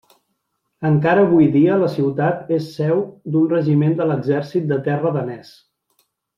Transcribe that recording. Encara avui dia la ciutat és seu d'un regiment de l'exèrcit de terra danès.